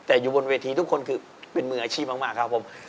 แต่อยู่บนเวทีทุกคนคือเป็นมืออาชีพมากครับผม